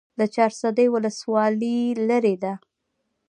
د چهارسده ولسوالۍ لیرې ده